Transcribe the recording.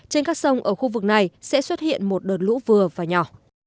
trên các sông ở khu vực này sẽ xuất hiện một đợt lũ vừa và nhỏ